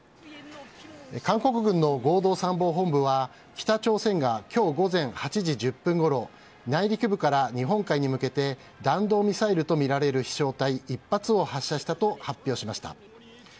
韓国軍の合同参謀本部は、北朝鮮がきょう午前８時１０分ごろ、内陸部から日本海に向けて、弾道ミサイルと見られる飛しょう体１発を発射したと発表しました。